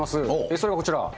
それがこちら。